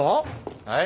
はい？